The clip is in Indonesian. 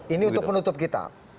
ini untuk penutup kita